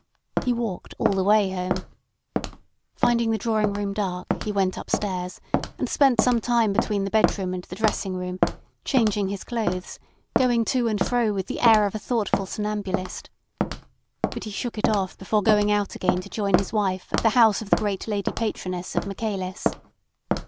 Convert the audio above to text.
He walked all the way home. Finding the drawing room dark, he went upstairs, and spent some time between the bedroom and the dressing room, changing his clothes, going to and fro with the air of a thoughtful somnambulist. But he shook it off before going out again to join his wife at the house of the great lady patroness of Michaelis.